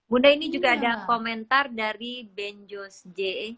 bunda ini juga ada komentar dari benjose j